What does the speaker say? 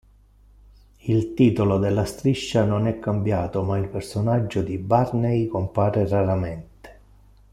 Il titolo della striscia non è cambiato ma il personaggio di Barney compare raramente.